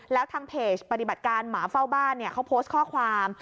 แล้วทางเพจปฏิบัติการหมาเฝ้าบ้านเขาโพสต์ข้อความ